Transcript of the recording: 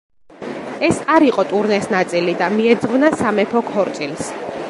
ეს არ იყო ტურნეს ნაწილი და მიეძღვნა სამეფო ქორწილს.